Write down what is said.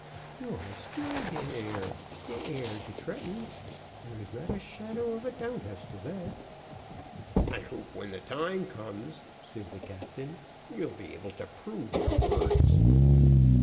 "You are still de heir de heir to Tretton. There is not a shadow of a doubt as to that." "I hope when the time comes," said the captain, "you'll be able to prove your words."